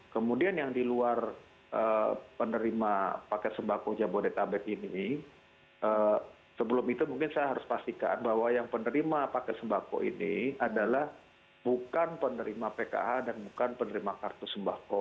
kemudian yang di luar penerima paket sembako jabodetabek ini sebelum itu mungkin saya harus pastikan bahwa yang penerima paket sembako ini adalah bukan penerima pkh dan bukan penerima kartu sembako